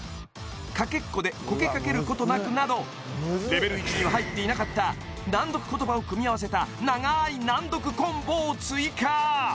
「かけっこでコケかけることなく」などＬＥＶＥＬ１には入っていなかった難読言葉を組み合わせた長い難読コンボを追加